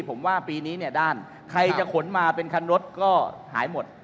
ผมว่าปีนี้เนี่ยด้านใครจะขนมาเป็นคันรถก็หายหมด